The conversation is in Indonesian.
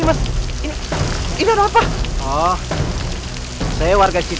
mas ini belum apa oh keluarga chorus